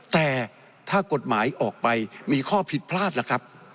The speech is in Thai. แต่ถ้ากฎหมายออกไปมีข้อผิดพลาดล่ะครับ